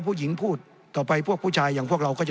พูดต่อไปพวกผู้ชายอย่างพวกเราก็จะ